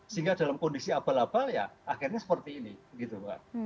sehingga dalam kondisi abal abal ya akhirnya seperti ini gitu kan